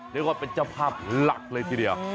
เรียกว่าเป็นเจ้าภาพหลักเลยทีเดียว